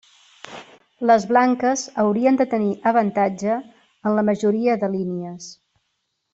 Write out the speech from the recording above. Les blanques haurien de tenir avantatge en la majoria de línies.